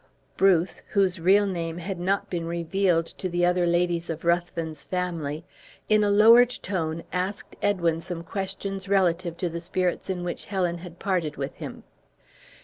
Bruce, whose real name had not been revealed to the other ladies of Ruthven's family, in a lowered tone, asked Edwin some questions relative to the spirits in which Helen had parted with him.